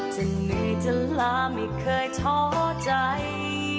จะเหนื่อยจะลาไม่เคยท้อใจ